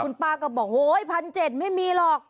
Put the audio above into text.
คุณป้าก็บอกโห้ยพันเจ็ดไม่มีหรอก